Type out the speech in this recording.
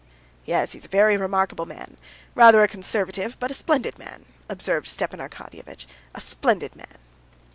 "Yes, he's a very remarkable man; rather a conservative, but a splendid man," observed Stepan Arkadyevitch, "a splendid man."